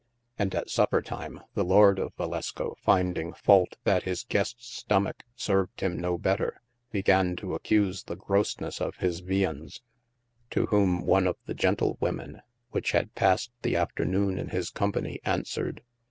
And at supper time, the Lord of Valasco finding fault y4 his gestes stomacke served him no better, began to accuse the grosnesse of his vyands, to whom one of the getlewomen which had passed ye afternoone in his company, answered.